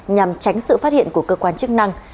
nhằm tránh sự phát hiện của cơ quan chức năng